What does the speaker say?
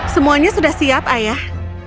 semuanya sudah siap ayah